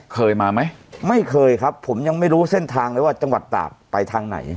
เคยมาไหมไม่เคยครับผมยังไม่รู้เส้นทางเลยว่าจังหวัดตากไปทางไหน